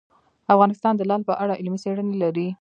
افغانستان د لعل په اړه علمي څېړنې لري.